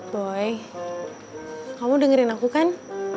boy kamu dengerin aku kan